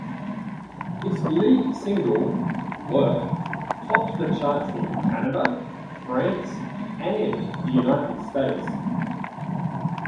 Its lead single "Work" topped the charts in Canada, France and the United States.